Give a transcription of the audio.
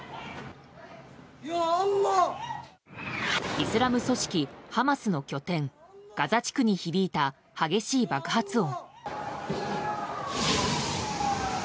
イスラム組織ハマスの拠点ガザ地区に響いた激しい爆発音。